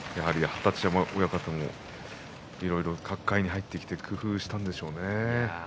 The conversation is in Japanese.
二十山親方もいろいろ角界に入ってから工夫したんでしょうね。